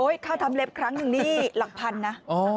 ค่าทำเล็บครั้งหนึ่งนี่หลักพันนะ